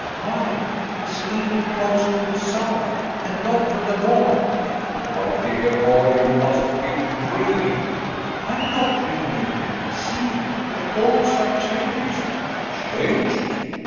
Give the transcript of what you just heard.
"Why its needle points to the south and not to the north." "My dear boy, you must be dreaming." "I am not dreaming. See the poles are changed." "Changed!"